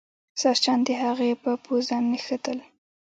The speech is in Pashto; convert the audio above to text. ساسچن د هغې په پوزه نښتل.